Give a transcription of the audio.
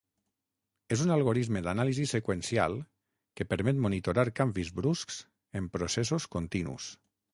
És un algorisme d'anàlisi seqüencial que permet monitorar canvis bruscs en processos continus.